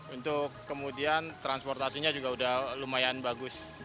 untuk kemudian transportasinya juga sudah lumayan bagus